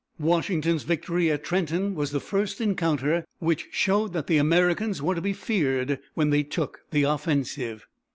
Washington's victory at Trenton was the first encounter which showed that the Americans were to be feared when they took the offensive.